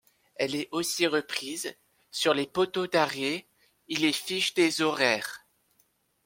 Elle est aussi reprise sur les poteaux d’arrêt et les fiches des horaires.